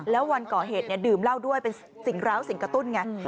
แล้ววันก่อเหตุเนี่ยดื่มเหล้าด้วยเป็นสิ่งร้าวสิ่งกระตุ้นไง